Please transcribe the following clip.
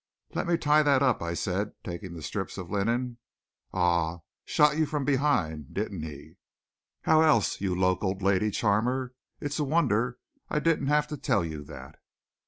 "Let me tie that up," I said, taking the strips of linen. "Ahuh! Shot you from behind, didn't he?" "How else, you locoed lady charmer? It's a wonder I didn't have to tell you that."